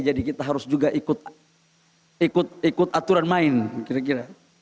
jadi kita harus juga ikut aturan main kira kira